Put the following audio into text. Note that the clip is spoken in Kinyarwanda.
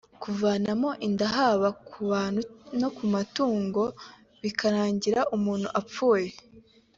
kuvanamo inda haba ku bantu no ku matungo bikarangira umuntu apfuye